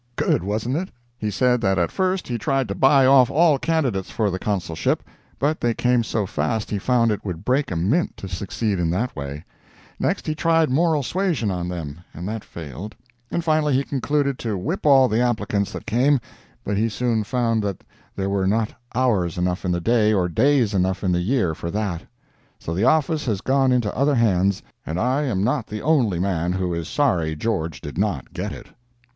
Good, wasn't it? He said that at first he tried to buy off all candidates for the Consulship, but they came so fast he found it would break a mint to succeed in that way; next he tried moral suasion on them, and that failed; and finally he concluded to whip all the applicants that came, but he soon found that there were not hours enough in the day or days enough in the year for that. So the office has gone into other hands, and I am not the only man who is sorry George did not get it.